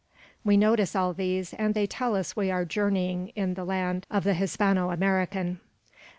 We notice all these, and they tell us we are journeying in the land of the Hispano American.